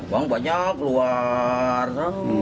uang banyak luar